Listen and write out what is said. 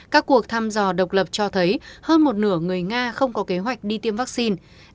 các cuộc thăm dò độc lập cho thấy hơn một nửa người nga không có kế hoạch đi tiêm vaccine